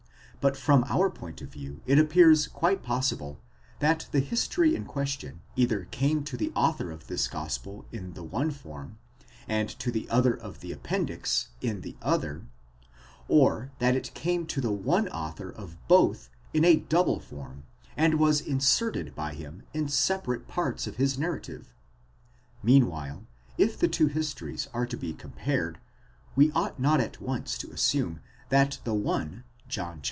But from our point of view it appears quite possible, that the history in question either came to the author of this gospel in the one form, and to the author of the appendix in the other ; or that it came to the one author of both in a double form, and was inserted by him in separate parts of his narrative. Meanwhile, if the two histories are to be compared, we ought not at once to assume that the one, John xxi.